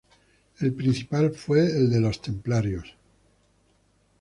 El principal fue el de los Templarios.